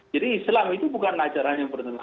jadi islam itu bukan ajaran